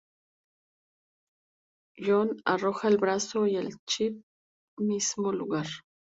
John arroja el brazo y el chip al mismo lugar.